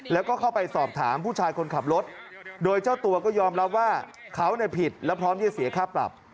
แล้วก็เข้าไปสอบถามผู้ชายคนขับรถโดยเจ้าตัวก็ยอมรับว่าเขาผิดและพร้อมจะเสียค่าปรับ